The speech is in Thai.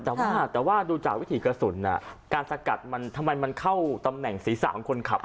แต่ว่าแต่ว่าดูจากวิถีกระสุนการสกัดมันทำไมมันเข้าตำแหน่งศีรษะของคนขับ